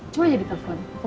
coba aja di telfon